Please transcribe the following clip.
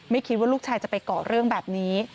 คิดว่าลูกชายจะไปเกาะเรื่องแบบนี้